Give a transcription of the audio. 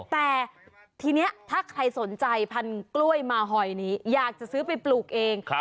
แต่ทีนี้ถ้าใครสนใจพันกล้วยมาหอยนี้อยากจะซื้อไปปลูกเอง